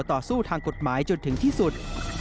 ต่อสู้ทางกฎหมายจนถึงที่สุด